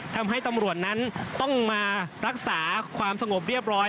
ทำให้ตำรวจนั้นต้องมารักษาความสงบเรียบร้อย